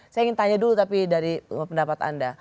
saya ingin tanya dulu tapi dari pendapat anda